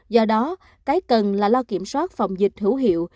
do đó cái cần là lo kiểm soát phòng dịch hữu hiệu